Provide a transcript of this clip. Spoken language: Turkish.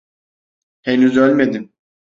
Henüz ölmedim.